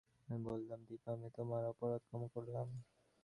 আমি বললাম, দিপা, আমি তোমার অপরাধ ক্ষমা করলাম!